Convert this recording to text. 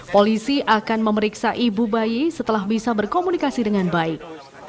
polisi akan memeriksa ibu bayi setelah bisa berkomunikasi dengan baik